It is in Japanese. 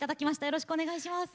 よろしくお願いします。